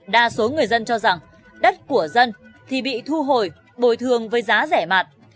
đa số người dân cho rằng đất của dân thì bị thu hồi bồi thường với giá rẻ mạt